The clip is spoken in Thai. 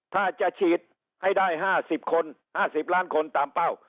ถ้าจะฉีดให้ได้๕๐คน๕๐ล้านคนตามเป้า